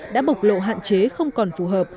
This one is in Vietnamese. đã bộc lộ hạn chế không còn phù hợp